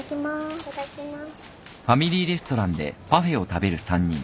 いただきます。